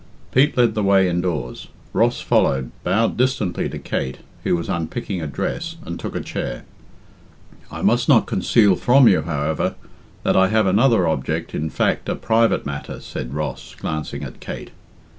Pete led the way indoors. Ross followed, bowed distantly to Kate, who was unpicking a dress, and took a chair. "I must not conceal from you, however, that I have another object in fact, a private matter," said Ross, glancing at Kate.